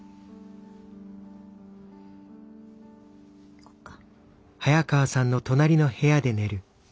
行こっか。